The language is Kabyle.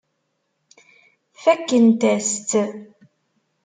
Fakkent-as-tt.